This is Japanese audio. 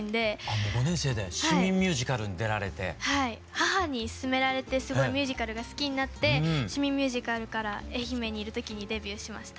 母に勧められてすごいミュージカルが好きになって市民ミュージカルから愛媛にいる時にデビューしました。